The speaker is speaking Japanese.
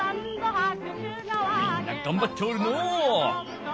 みんながんばっておるのう。